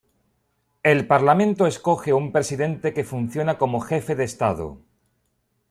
El parlamento escoge un presidente, que funciona como jefe de Estado.